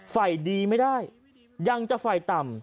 ไฟดีไม่ได้ยังจะไฟต่ำ